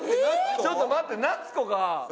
ちょっと待って夏子が。